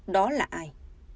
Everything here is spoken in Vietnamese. đó là ai